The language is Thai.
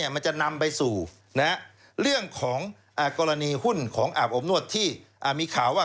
มันจะนำไปสู่เรื่องของกรณีหุ้นของอาบอบนวดที่มีข่าวว่า